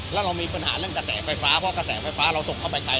แล้วเรามีปัญหาเรื่องกระแสไฟฟ้าเพราะกระแสไฟฟ้าเราส่งเข้าไปไกล